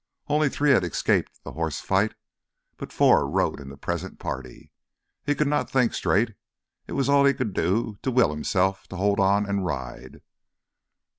Only three had escaped during the horse fight, but four rode in the present party. He could not think straight; it was all he could do to will himself to hold on and ride.